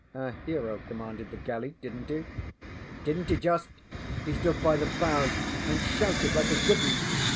Our hero commanded the galley? DidnŌĆÖt he? ŌĆØ ŌĆ£DidnŌĆÖt he just! He stood by the bows and shouted like a good ŌĆśun.